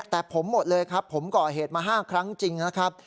แต่ผมหมดเลยครับผมก่อเหตุมา๕ครั้งจริงนะครับ